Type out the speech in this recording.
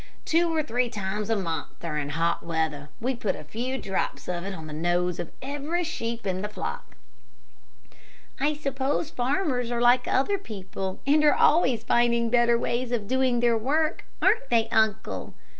Two or three times a month during hot weather, we put a few drops of it on the nose of every sheep in the flock." "I suppose farmers are like other people, and are always finding out better ways of doing their work, aren't they, uncle?"